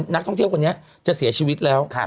นักท่องเที่ยวคนนี้จะเสียชีวิตแล้ว